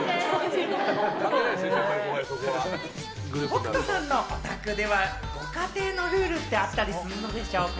北斗さんのお宅ではご家庭のルールってあったりするのでしょうか？